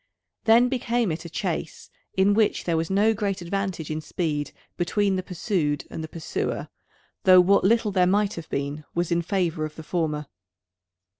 Then became it a chase in which there was no great advantage in speed between the pursued and the pursuer; though what little there might have been was in favour of the former.